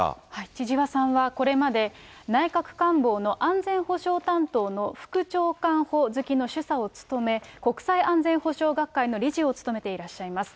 千々和さんはこれまで内閣官房の安全保障担当の副長官補付きの主査を務め、国際安全保障学会の理事を務めていらっしゃいます。